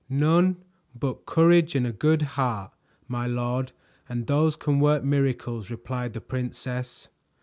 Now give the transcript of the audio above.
"None but courage and a good heart, my lord, and those can work miracles," replied the princess.